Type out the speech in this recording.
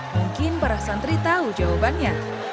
mungkin para santri tahu jawabannya